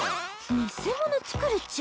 偽物作るっちゃ？